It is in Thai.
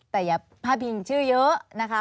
แต่อย่าพลาดพิงชื่อเยอะนะคะ